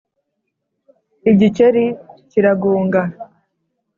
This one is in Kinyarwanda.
igikeri kiragonga